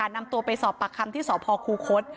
นำตัวไปสอบปากคำที่สพคูคศ